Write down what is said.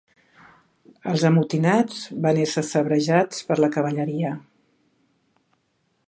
Els amotinats van ésser sabrejats per la cavalleria.